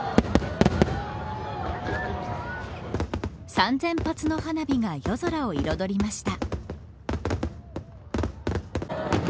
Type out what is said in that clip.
３０００発の花火が夜空を彩りました。